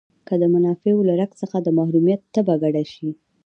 که د منافعو له رګ څخه د محرومیت تبه کډه شي.